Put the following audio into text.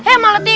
hei malah tidur